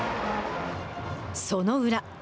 その裏。